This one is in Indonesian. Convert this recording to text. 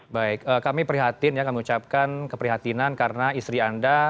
baik kami prihatin ya kami ucapkan keprihatinan karena istri anda